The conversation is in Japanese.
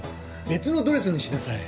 別のドレスにしなさい。